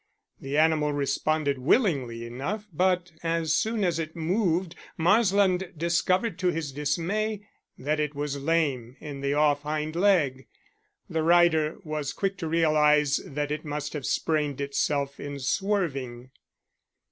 The animal responded willingly enough, but as soon as it moved Marsland discovered to his dismay that it was lame in the off hind leg. The rider was quick to realize that it must have sprained itself in swerving.